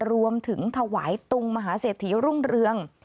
รวมถึงถวายตุงมหาเศรษฐีรุ่งเรือง